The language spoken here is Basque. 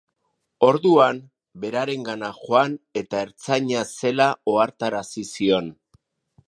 Orduan, berarengana joan eta ertzaina zela ohartarazi zion.